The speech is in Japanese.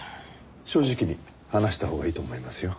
正直に話したほうがいいと思いますよ。